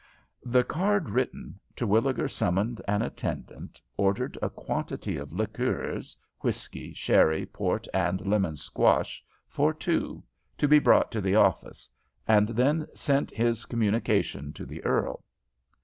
The card written, Terwilliger summoned an attendant, ordered a quantity of liqueurs, whiskey, sherry, port, and lemon squash for two to be brought to the office, and then sent his communication to the earl.